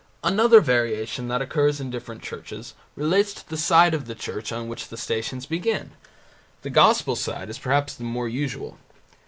Another variation that occurs in different churches relates to the side of the church on which the Stations begin. The Gospel side is perhaps the more usual.